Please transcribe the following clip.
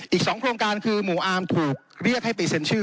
อีก๒โครงการคือหมู่อาร์มถูกเรียกให้ไปเซ็นชื่อ